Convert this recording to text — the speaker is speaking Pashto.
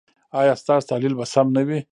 ایا ستاسو تحلیل به سم نه وي؟